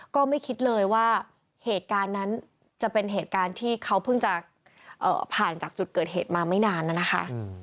ก็ไม่คิดเลยว่าเหตุการณ์นั้นจะเป็นเหตุการณ์ที่เขาเพิ่งจะผ่านจากจุดเกิดเหตุมาไม่นานนะคะ